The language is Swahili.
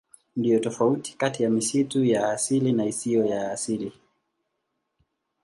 Ndiyo tofauti kati ya misitu ya asili na isiyo ya asili.